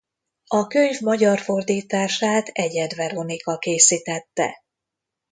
A könyv magyar fordítását Egyed Veronika készítette.